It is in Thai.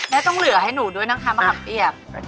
แม่ต้องเหลือให้หนูด้วยนะคะภาคะเบี้ย